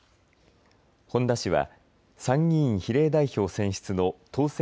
本田氏は参議院比例代表選出の当選